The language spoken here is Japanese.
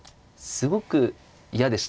すごく嫌でした。